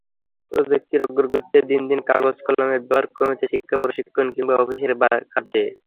প্রযুক্তির অগ্রগতিতে দিন দিন কাগজ-কলমের ব্যবহার কমছে শিক্ষা, প্রশিক্ষণ কিংবা অফিসের কাজে।